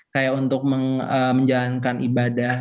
kayak untuk menjalankan ibadah